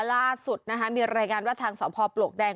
ล่านี่ลายงานว่าทางสภโปลกแดง